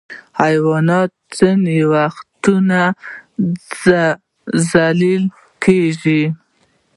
حیوانات ځینې وختونه روزل کېږي.